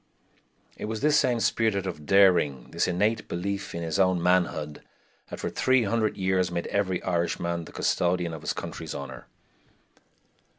It was this same spirit of daring, this innate belief in his own manhood, that for three hundred years made every Irishman the custodian of his country's honor.